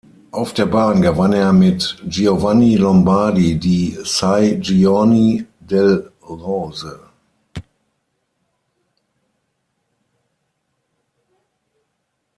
Auf der Bahn gewann er mit Giovanni Lombardi die "Sei Giorni delle Rose".